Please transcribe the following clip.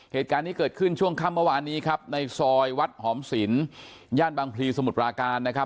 เหตุการณ์นี้เกิดขึ้นช่วงค่ำเมื่อวานนี้ครับในซอยวัดหอมศิลปย่านบางพลีสมุทรปราการนะครับ